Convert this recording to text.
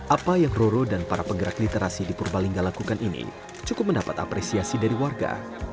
apa yang roro dan para penggerak literasi di purbalingga lakukan ini cukup mendapat apresiasi dari warga